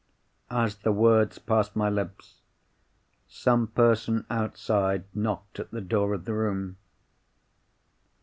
As the words passed my lips, some person outside knocked at the door of the room.